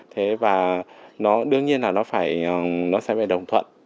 thế và nó đương nhiên là nó phải nó sẽ phải đồng thuận